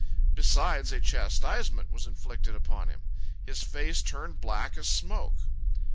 Besides, a chastisement was inflicted upon him. His face turned black as smoke.